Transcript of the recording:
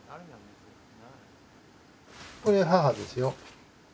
これ母ですよ。